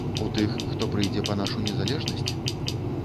У тых, хто прыйдзе па нашу незалежнасць?